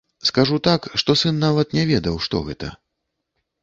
Скажу так, што сын нават не ведаў, што гэта.